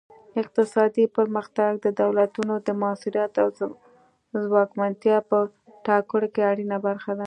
اقتصادي پرمختګ د دولتونو د موثریت او ځواکمنتیا په ټاکلو کې اړینه برخه ده